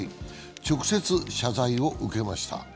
直接、謝罪を受けました。